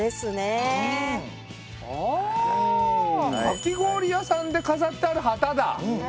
かき氷屋さんで飾ってある旗だ。